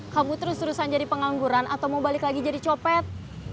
kamu terus terusan jadi pengangguran atau mau balik lagi jadi copet